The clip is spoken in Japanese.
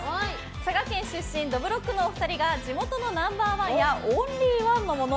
佐賀県出身どぶろっくのお二人が地元のナンバー１やオンリーワンのもの